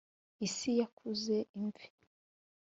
isi yakuze imvi